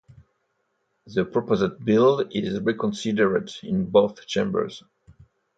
The proposed bill is reconsidered in both chambers.